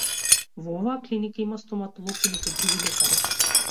Во оваа клиника има стоматолог и некои други лекари.